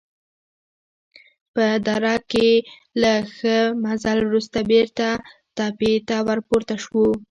په دره کې له ښه مزل وروسته بېرته تپې ته ورپورته شوو.